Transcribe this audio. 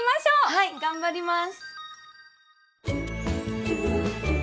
はい頑張ります！